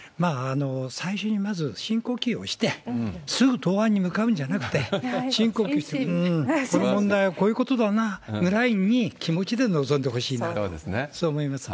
最初にまず深呼吸をして、すぐ答案に向かうんじゃなくて、深呼吸して、この問題はこういうことだなぐらいの気持ちで臨んでほしいな、そそうですね。